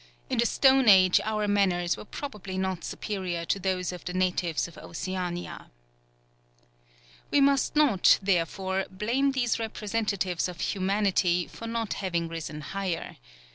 In the stone age our manners were probably not superior to those of the natives of Oceania. We must not, therefore, blame these representatives of humanity for not having risen higher.